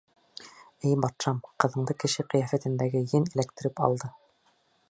— Эй батшам, ҡыҙыңды кеше ҡиәфәтендәге ен эләктереп алды.